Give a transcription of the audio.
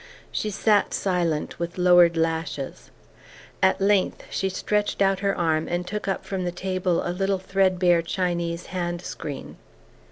She sat silent, with lowered lashes. At length she stretched out her arm and took up from the table a little threadbare Chinese hand screen.